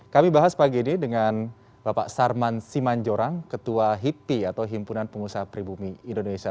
kami bahas pagi ini dengan bapak sarman simanjorang ketua hippi atau himpunan pengusaha pribumi indonesia